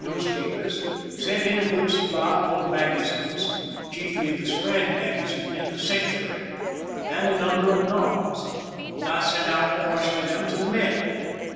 newspapers, sent in a good supply of old maga zines, chiefly the ^^ Strand Magazine" and the *' Century," and a number of novels, and I sent out a portion of them to the men.